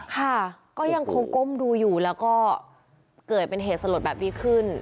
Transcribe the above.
ค่ะก็ยังคงก้มดูอยู่แล้วก็เกิดเป็นเหตุสลดแบบนี้ขึ้น